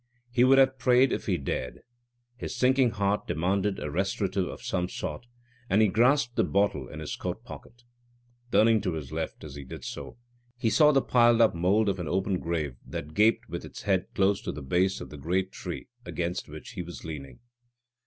He would have prayed if he dared. His sinking heart demanded a restorative of some sort, and he grasped the bottle in his coat pocket. Turning to his left, as he did so, he saw the piled up mould of an open grave that gaped with its head close to the base of the great tree against which he was leaning.